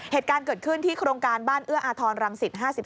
เหตุการณ์เกิดขึ้นที่โครงการบ้านเอื้ออาทรรังสิต๕๓